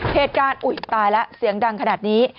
เหตุการณ์อุ้ยตายละเสียงดังขนาดนี้